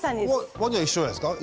ワニは一緒じゃないですか？